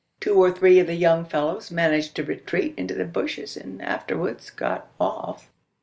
Two or three of the young fellows managed to retreat into the bushes; and afterwards got off.